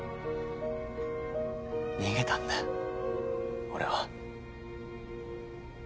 逃げたんだ俺は。